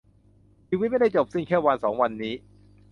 ชีวิตไม่ได้จบสิ้นแค่วันสองวันนี้